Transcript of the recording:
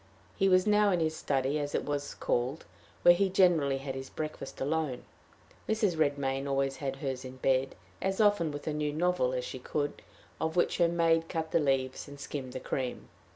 He was now in his study, as it was called, where he generally had his breakfast alone. Mrs. Redmain always had hers in bed, as often with a new novel as she could, of which her maid cut the leaves, and skimmed the cream.